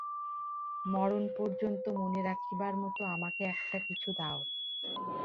মরণ পর্যন্ত মনে রাখিবার মতো আমাকে একটা-কিছু দাও।